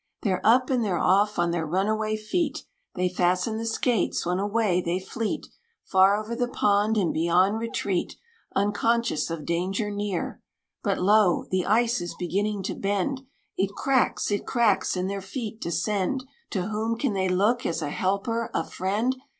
They're up, and they're off; on their run away feet They fasten the skates, when, away they fleet, Far over the pond, and beyond retreat, Unconscious of danger near. But lo! the ice is beginning to bend It cracks it cracks and their feet descend! To whom can they look as a helper a friend?